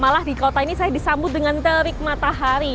malah di kota ini saya disambut dengan terik matahari